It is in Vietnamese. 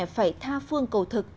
phải tha phương cầu thực